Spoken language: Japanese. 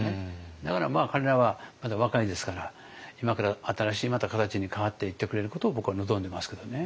だから彼らはまだ若いですから今から新しいまた形に変わっていってくれることを僕は望んでますけどね。